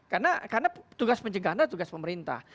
karena tugas pencegahan adalah tugas pemerintah